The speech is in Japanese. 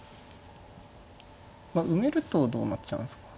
まあ埋めるとどうなっちゃうんですか。